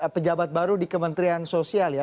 pejabat baru di kementerian sosial ya